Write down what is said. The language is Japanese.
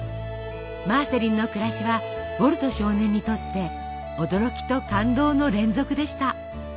マーセリンの暮らしはウォルト少年にとって驚きと感動の連続でした。